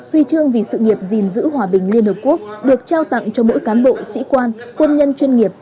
huy chương vì sự nghiệp gìn giữ hòa bình liên hợp quốc được trao tặng cho mỗi cán bộ sĩ quan quân nhân chuyên nghiệp